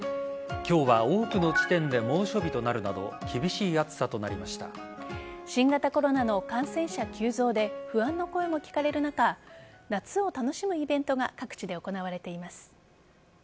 今日は多くの地点で猛暑日となるなど新型コロナの感染者急増で不安の声も聞かれる中夏を楽しむイベントが各地で行われています。